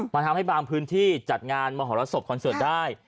มันทำให้บางพื้นที่จัดงานมหรสบคอนเสิร์ตได้